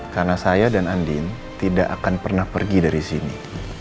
karena saya dan andin tidak akan pernah pergi dari sini